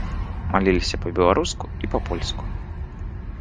Маліліся па-беларуску і па-польску.